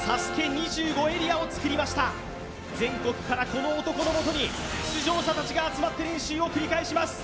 ２５エリアを作りました全国からこの男のもとに出場者達が集まって練習を繰り返します